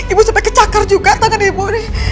ibu sampai kecakar juga tangan ibu putri